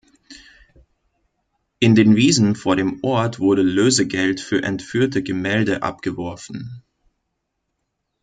In den Wiesen vor dem Ort wurde Lösegeld für entführte Gemälde abgeworfen.